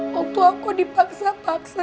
waktu aku dipaksa paksa sama pamsnya aku untuk nikah